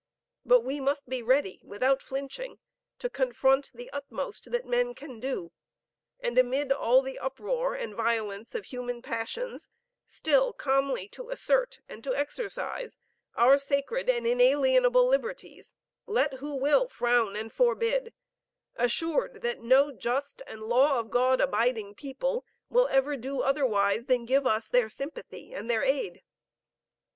But we must be ready without flinching, to confront the utmost that men can do, and amidst all the uproar and violence of human passions, still calmly to assert and to exercise our sacred and inalienable liberties, let who will frown and forbid, assured that no just and law of God abiding people, will ever do otherwise than give us their sympathy and their aid.